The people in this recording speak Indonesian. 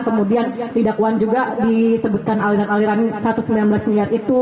kemudian di dakwaan juga disebutkan aliran aliran rp satu ratus sembilan belas miliar itu